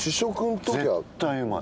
絶対うまい。